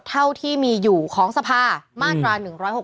เท่าที่มีอยู่ของสภามาตรา๑๖๖